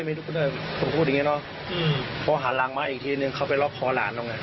ผมพูดอย่างนี้เนาะพอหารางมาอีกทีหนึ่งเขาไปล็อกคอหลานตรงนี้